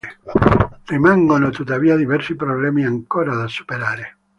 Rimangono tuttavia diversi problemi ancora da superare.